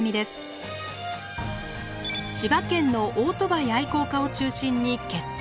千葉県のオートバイ愛好家を中心に結成。